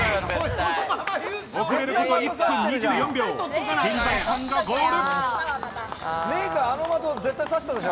遅れること１分２４秒、陣在さんがゴール。